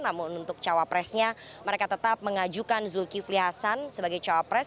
namun untuk cawapresnya mereka tetap mengajukan zulkifli hasan sebagai cawapres